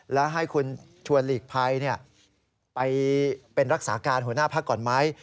แล้วให้คุณชวนหลีกภัยไปเป็นรักษาการหัวหน้าพักก่อนไหม